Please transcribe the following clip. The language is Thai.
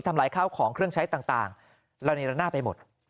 ทำลายข้าวของเครื่องใช้ต่างละเนียละหน้าไปหมด